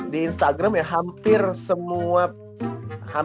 di instagram ya hampir semua hampir